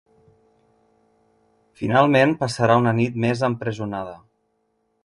Finalment, passarà una nit més empresonada.